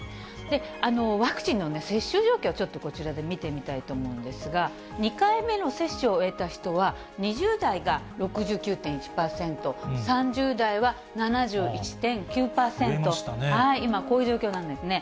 ワクチンの接種状況をちょっとこちらで見てみたいと思うんですが、２回目の接種を終えた人は２０代が６９．１％、３０代は７１．９％、今、こういう状況なんですね。